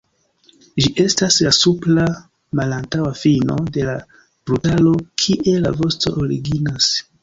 Ĝi estas la supra malantaŭa fino de la brutaro kie la vosto originas.